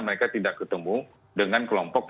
mereka tidak ketemu dengan kelompok